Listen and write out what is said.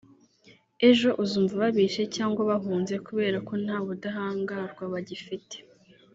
Ejo uzumva babishe cyangwa bahunze kubera ko nta budahangarwa bagifite (immunity)